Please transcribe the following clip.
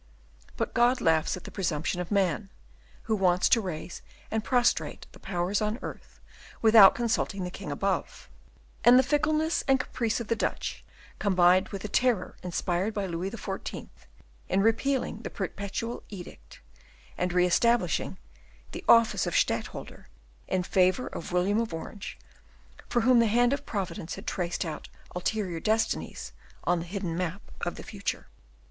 But God laughs at the presumption of man, who wants to raise and prostrate the powers on earth without consulting the King above; and the fickleness and caprice of the Dutch combined with the terror inspired by Louis XIV., in repealing the Perpetual Edict, and re establishing the office of Stadtholder in favour of William of Orange, for whom the hand of Providence had traced out ulterior destinies on the hidden map of the future.